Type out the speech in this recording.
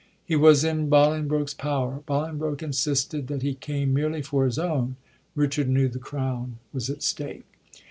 He was in Bolingbroke's power. Boling broke insisted that he came merely for his own ; Richard knew the crown was at stake.